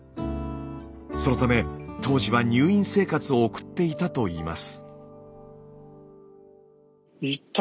そのため当時は入院生活を送っていたといいます。